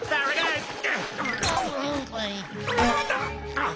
あっ！